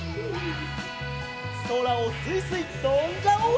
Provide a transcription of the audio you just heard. そらをスイスイとんじゃおう！